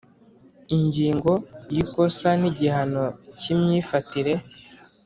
Ingingo ya Ikosa n igihano cy imyifatire